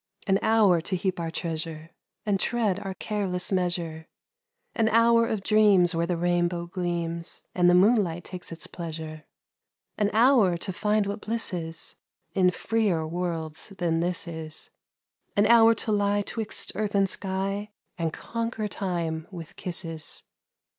An hour to heap our treasure, And tread our careless measure, An hour of dreams where the rainbow gleams, And the moonlight takes its pleasure. 2 CHANT PAGAN An hour to find what bliss is In freer worlds than this is ; An hour to lie 'twixt earth and sky, And conquer time with kisses.